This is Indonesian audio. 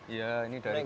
iya ini dari kami sendiri